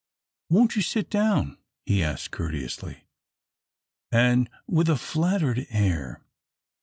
"Won't you sit down?" he asked, courteously, and with a flattered air.